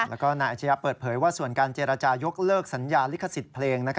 แล้วก็นายอาชญาเปิดเผยว่าส่วนการเจรจายกเลิกสัญญาลิขสิทธิ์เพลง